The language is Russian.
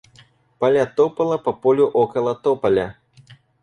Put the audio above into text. Поля топала по полю около тополя.